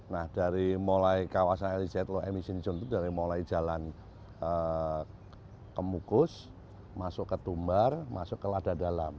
nah dari mulai kawasan lct low emission zone itu dari mulai jalan kemukus masuk ke tumbar masuk ke lada dalam